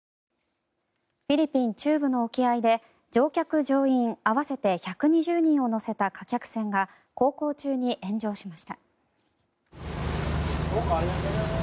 フィリピン中部の沖合で乗客・乗員合わせて１２０人を乗せた貨客船が航行中に炎上しました。